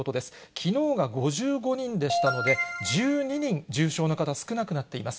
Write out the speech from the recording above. きのうが５５人でしたので、１２人、重症の方、少なくなっています。